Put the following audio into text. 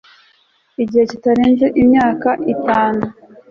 gihe kitarenze imyaka itanu